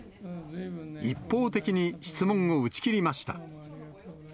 一方的に質問を打ち切りました。